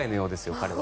彼は。